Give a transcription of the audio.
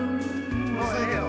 薄いけど。